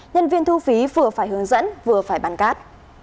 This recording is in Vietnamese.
nhân viên thu phí vừa phải hướng dẫn vừa phải bán cát